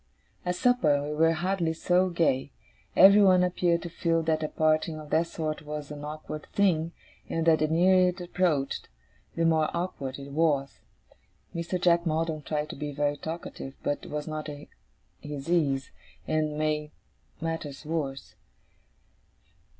At supper, we were hardly so gay. Everyone appeared to feel that a parting of that sort was an awkward thing, and that the nearer it approached, the more awkward it was. Mr. Jack Maldon tried to be very talkative, but was not at his ease, and made matters worse.